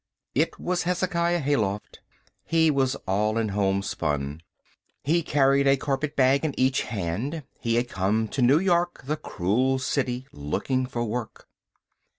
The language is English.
It was Hezekiah Hayloft. He was all in homespun. He carried a carpet bag in each hand. He had come to New York, the cruel city, looking for work.